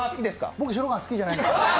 僕、白ご飯好きじゃないです。